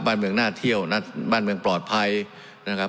บ้านเมืองน่าเที่ยวบ้านเมืองปลอดภัยนะครับ